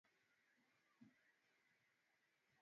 fungua kitufe cha mchanganyiko wa taarifa mbalimbali